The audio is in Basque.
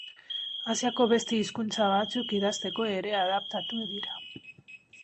Asiako beste hizkuntza batzuk idazteko ere adaptatu dira.